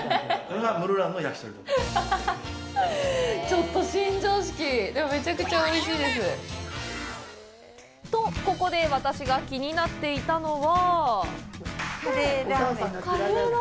ちょっと新常識、でもめちゃくちゃおいしいです。とここで、私が気になっていたのは。